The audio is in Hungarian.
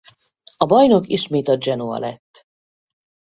A bajnok ismét a Genoa lett.